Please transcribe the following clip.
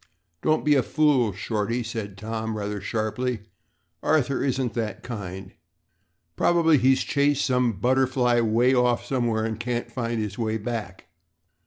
"Don't be a fool, Shorty," said Tom, rather sharply. "Arthur isn't that kind. Probably he's chased some butterfly way off somewhere and can't find his way back."